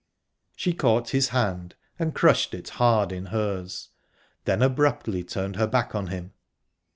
She caught his hand, and crushed it hard in hers; then abruptly turned her back on him...